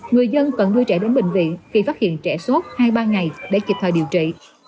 người dân cần đưa trẻ đến bệnh viện khi phát hiện trẻ sốt hai ba ngày để kịp thời điều trị